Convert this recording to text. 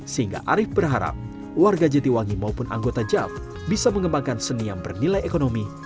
sehingga arief berharap warga jatiwangi maupun anggota jav bisa mengembangkan seni yang bernilai ekonomi